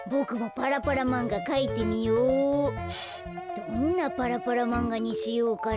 どんなパラパラまんがにしようかな。